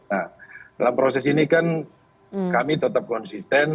nah dalam proses ini kan kami tetap konsisten